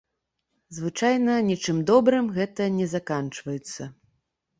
Звычайна нічым добрым гэта не заканчваецца.